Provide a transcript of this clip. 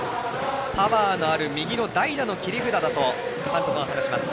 パワーのある右の代打の切り札だと監督は話します。